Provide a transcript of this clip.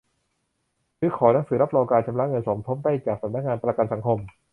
หรือขอหนังสือรับรองการชำระเงินสมทบได้จากสำนักงานประกันสังคม